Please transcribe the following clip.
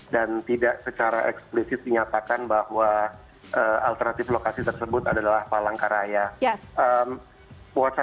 dan tidak secara eksplisit dinyatakan bahwa alternatif lokasi tersebut adalah palangkaraya